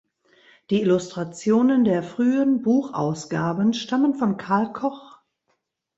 Die Illustrationen der frühen Buchausgaben stammen von Carl Koch.